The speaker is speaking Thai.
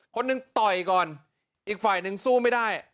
คนหนึ่งต่อยก่อนอีกฝ่ายนึงสู้ไม่ได้